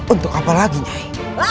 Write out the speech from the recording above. untuk apa lagi nyai